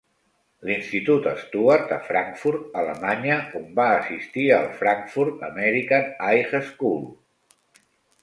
L'institut Stuart, a Frankfurt, Alemanya, on va assistir al Frankfurt American High School.